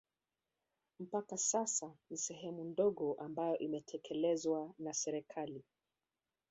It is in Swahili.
Mpaka sasa ni sehemu ndogo ambayo imetekelezwa na serikali